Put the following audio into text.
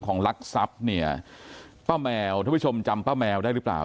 ลักทรัพย์เนี่ยป้าแมวท่านผู้ชมจำป้าแมวได้หรือเปล่า